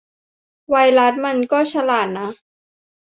ไวรัสมันก็ฉลาดนะ